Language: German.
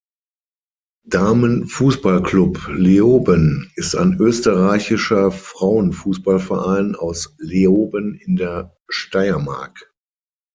Damen-Fußball-Club Leoben ist ein österreichischer Frauenfußballverein aus Leoben in der Steiermark.